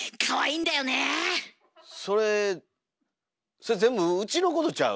それ全部うちのことちゃう？